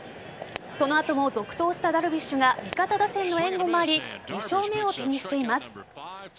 その後も続投したダルビッシュが味方打線の援護もあり２勝目を手にしています。